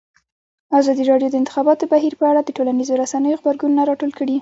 ازادي راډیو د د انتخاباتو بهیر په اړه د ټولنیزو رسنیو غبرګونونه راټول کړي.